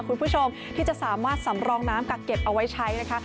คุณผู้ชมที่จะสามารถสำรองน้ำกักเก็บเอาไว้ใช้นะคะ